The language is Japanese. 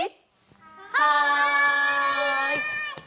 はい！